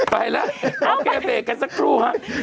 ไปละเอาเกฟกันสักครั้ว